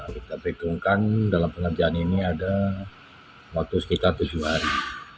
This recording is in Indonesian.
kita perhitungkan dalam pengerjaan ini ada waktu sekitar tujuh hari